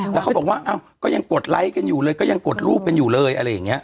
แล้วเขาบอกว่าก็ยังกดไลค์กันอยู่เลยก็ยังกดรูปกันอยู่เลยอะไรอย่างนี้